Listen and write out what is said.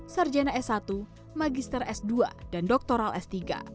sarjana s satu magister s dua dan doktoral s tiga